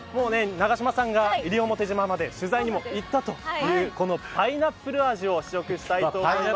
永島さんが西表島まで取材にも行ったというこのパイナップル味を試食したいと思います。